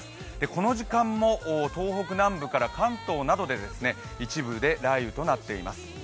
この時間も東北南部から関東などで一部で雷雨となっています。